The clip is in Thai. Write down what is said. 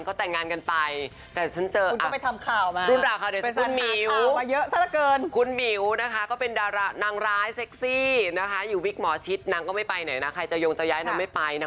กดแต่งงานกันไป